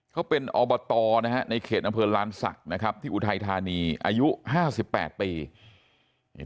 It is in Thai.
เขาเป็นอบตนะฮะในเขตอำเภอลานศักดิ์นะครับที่อุทัยธานีอายุ๕๘ปี